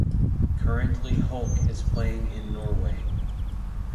Currently Holc is playing in Norway.